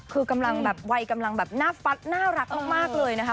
คือกำลังแบบวัยกำลังแบบหน้าฟัดน่ารักมากเลยนะคะ